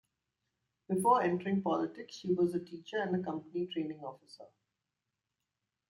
Before entering politics, she was a teacher and a company training officer.